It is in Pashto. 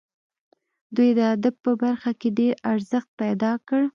دوی د ادب په برخه کې ډېر ارزښت پیدا کړ.